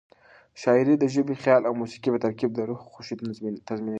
شاعري د ژبې، خیال او موسيقۍ په ترکیب د روح خوښي تضمینوي.